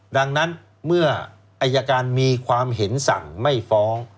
ดังนั้นเมื่ออายการมีความเห็นสั่งไม่ฟ้อง